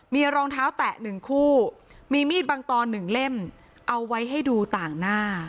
มีรองเท้าแตะ๑คู่มีมีดบางตอน๑เล่มเอาไว้ให้ดูต่างหน้า